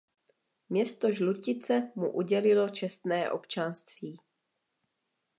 Město Žlutice mu udělilo čestné občanství.